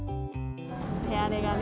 手荒れがね。